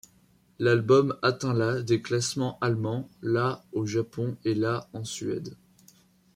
L'album atteintla des classements allemands, la au Japon, et la en Suède.